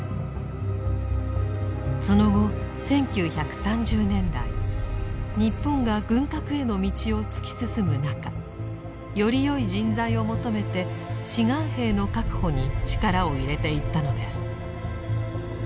その後１９３０年代日本が軍拡への道を突き進む中よりよい人材を求めて「志願兵」の確保に力を入れていったのです。